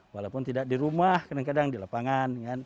walaupun tidak di rumah kadang kadang di lapangan